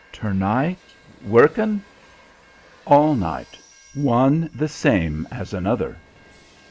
"Ter night workin'" "All night; one the saeme as another."